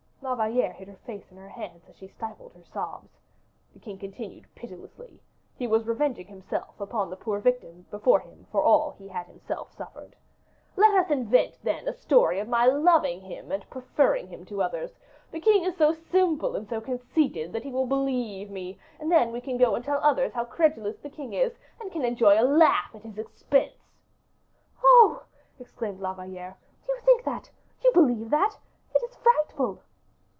La Valliere hid her face in her hands, as she stifled her sobs. The king continued pitilessly; he was revenging himself upon the poor victim before him for all he had himself suffered. "Let us invent, then, this story of my loving him and preferring him to others. The king is so simple and so conceited that he will believe me; and then we can go and tell others how credulous the king is, and can enjoy a laugh at his expense." "Oh!" exclaimed La Valliere, "you think that, you believe that! it is frightful."